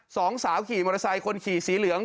สองสาวขี่มอเตอร์ไซค์คนขี่สีเหลือง